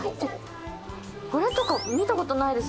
これとか見た事ないです